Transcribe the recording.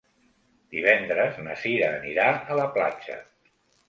Divendres na Cira anirà a la platja.